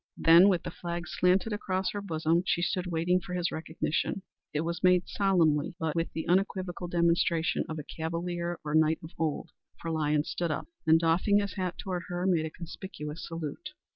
Then with the flag slanted across her bosom, she stood waiting for his recognition. It was made solemnly, but with the unequivocal demonstration of a cavalier or knight of old, for Lyons stood up, and doffing his hat toward her, made a conspicuous salute.